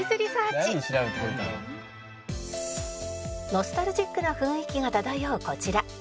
「ノスタルジックな雰囲気が漂うこちら」